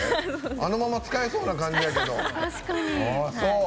あのまま使えそうな感じやけど。